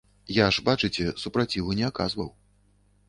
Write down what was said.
Я ж бачыце, супраціву не аказваў.